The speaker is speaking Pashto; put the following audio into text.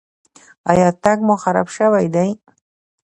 ایا تګ مو خراب شوی دی؟